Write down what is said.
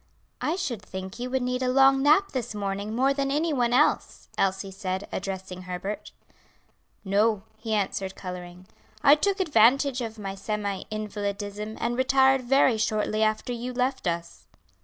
"I should think you would need a long nap this morning more than any one else," Elsie said, addressing Herbert. "No," he answered, coloring. "I took advantage of my semi invalidism, and retired very shortly after you left us."